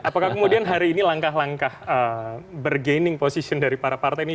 apakah kemudian hari ini langkah langkah bergening position dari para partai ini